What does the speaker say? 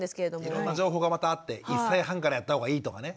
いろんな情報がまたあって１歳半からやった方がいいとかね。